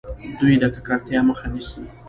دوی د ککړتیا مخه نیسي.